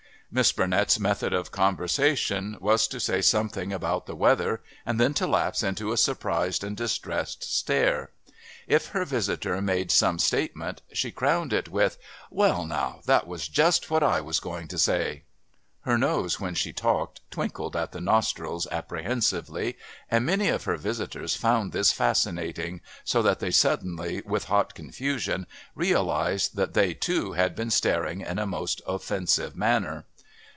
Miss Burnett's method of conversation was to say something about the weather and then to lapse into a surprised and distressed stare. If her visitor made some statement she crowned it with, "Well, now, that was just was I was going to say." Her nose, when she talked, twinkled at the nostrils apprehensively, and many of her visitors found this fascinating, so that they suddenly, with hot confusion, realised that they too had been staring in a most offensive manner.